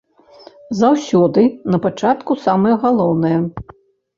Заўсёды напачатку самае галоўнае.